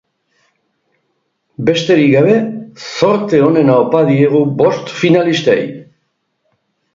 Besterik gabe, zorte onena opa diegu bost finalistei!